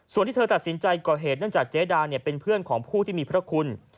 ส่วนที่เธอตัดสินใจก่อเหตุเนื่องจากเจ๊ดาเป็นเพื่อนของผู้ที่มีพระคุณ